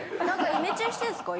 イメチェンしてんですか？